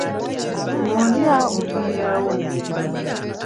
Bw’ondya ofiirawo.